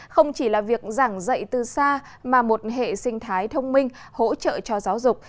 không chỉ là việc giảng dạy từ xa mà một hệ sinh thái thông minh hỗ trợ cho giáo dục